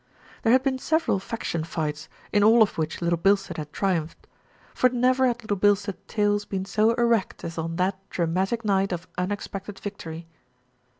There had been several faction fights, in all of which Little Bilstead had triumphed; for never had Little 228 THE RETURN OF ALFRED Bilstead tails been so erect as on that dramatic night of unexpected victory.